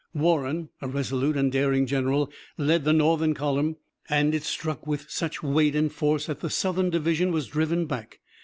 Warren, a resolute and daring general, led the Northern column and it struck with such weight and force that the Southern division was driven back.